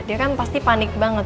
dia kan pasti panik banget